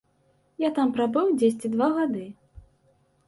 Я там прабыў дзесьці два гады.